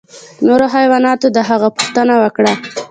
نورو حیواناتو د هغه پوښتنه وکړه.